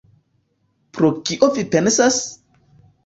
Pri kio vi pensas?